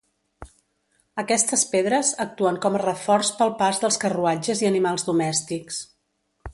Aquestes pedres actuen com a reforç pel pas dels carruatges i animals domèstics.